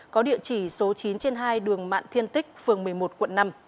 có địa chỉ số chín trên hai đường mạn thiên tích phường một mươi một quận năm